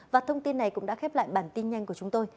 và thông tin này cũng đã khép lại bản tin nhanh của chúng tôi